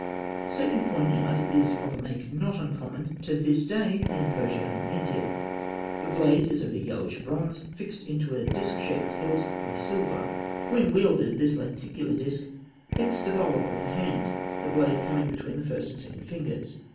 The second poignard is of a make not uncommon to this day in Persia and India (fig. 305). The blade is of yellowish bronze fixed into a disk shaped hilt of silver. When wielded, this lenticular disk fits to the hollow of the hand, the blade coming between the first and second fingers.